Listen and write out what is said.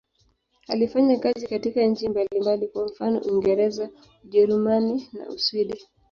Alifanya kazi katika nchi mbalimbali, kwa mfano Uingereza, Ujerumani na Uswidi.